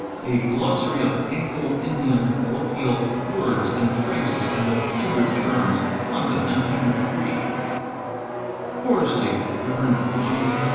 —A Glossary of Anglo Indian Colloquial Words and ~ Phrases, and of Kindred Terms, London, 1903. _ a Horsley .(Rev. J.